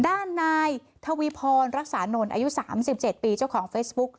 ด้านนายทวีพรรักษานนท์อายุ๓๗ปีเจ้าของเฟซบุ๊ก